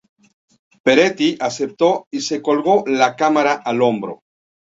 Peretti aceptó y se colgó la cámara al hombro.